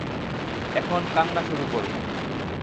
এখন কান্না শুরু করবে।